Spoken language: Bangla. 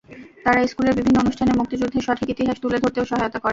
তাঁরা স্কুলের বিভিন্ন অনুষ্ঠানে মুক্তিযুদ্ধের সঠিক ইতিহাস তুলে ধরতেও সহায়তা করেন।